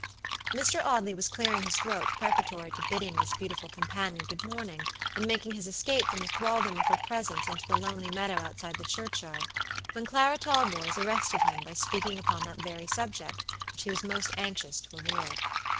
Mr. Audley was clearing his throat preparatory to bidding his beautiful companion good morning, and making his escape from the thraldom of her presence into the lonely meadow outside the churchyard, when Clara Talboys arrested him by speaking upon that very subject which he was most anxious to avoid.